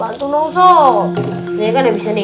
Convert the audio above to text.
bantu dong sob